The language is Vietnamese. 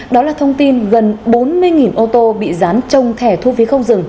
đó là thông tin gần bốn mươi ô tô bị dán trong thẻ thu phí không dừng